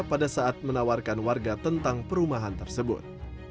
pada saat menawarkan warga tentang perumahan tersebut